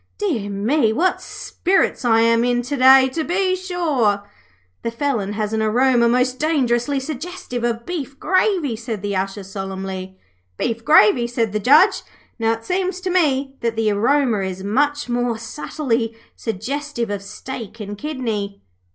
'Dear me, what spirits I am in to day, to be sure!' 'The felon has an aroma most dangerously suggestive of beef gravy,' said the Usher, solemnly. 'Beef gravy?' said the Judge. 'Now, it seems to me that the aroma is much more subtly suggestive of steak and kidney.'